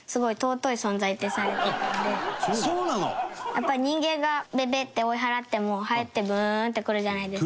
やっぱり人間がベッベッて追い払ってもハエってブンって来るじゃないですか。